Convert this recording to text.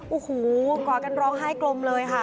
โอ้โหกอดกันร้องไห้กลมเลยค่ะ